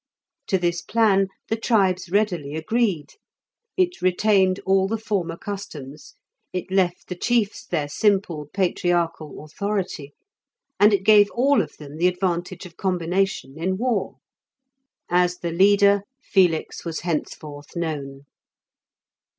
To this plan the tribes readily agreed; it retained all the former customs, it left the chiefs their simple patriarchal authority, and it gave all of them the advantage of combination in war. As the Leader, Felix was henceforth known.